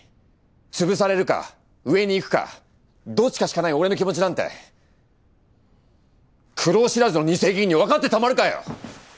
潰されるか上にいくかどっちかしかない俺の気持ちなんて苦労知らずの２世議員にわかってたまるかよ。